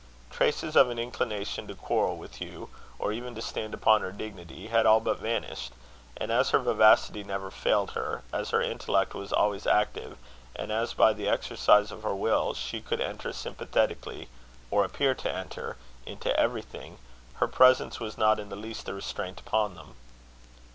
Traces of an inclination to quarrel with Hugh, or even to stand upon her dignity, had all but vanished; and as her vivacity never failed her, as her intellect was always active, and as by the exercise of her will she could enter sympathetically, or appear to enter, into everything, her presence was not in the least a restraint upon them.